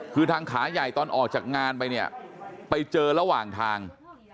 คือทางขาใหญ่ตอนออกจากงานไปเนี่ยไปเจอระหว่างทาง